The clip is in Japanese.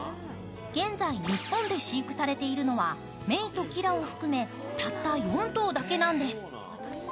現在日本で飼育されているのはメイとキラを含めたった４頭だけなんです。